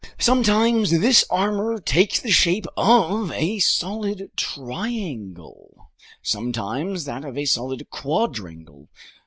Sometimes this armor takes the shape of a solid triangle, sometimes that of a solid quadrangle.